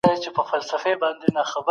کمپیوټر زموږ سره مرسته کوي.